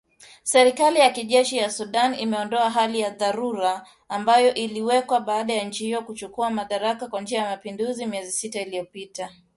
Serikali ya kijeshi ya Sudan imeondoa hali ya dharura ambayo iliwekwa baada ya nchi hiyo kuchukua madaraka kwa njia ya mapinduzi miezi sita iliyopita